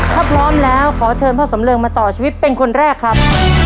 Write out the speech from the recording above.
ถ้าพร้อมแล้วขอเชิญพ่อสำเริงมาต่อชีวิตเป็นคนแรกครับ